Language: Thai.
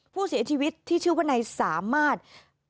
ผู้เสียชีวิตที่ชื่อว่านายสามารถ